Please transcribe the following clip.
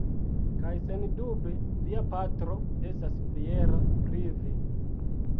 Kaj, sendube, via patro estas fiera pri vi.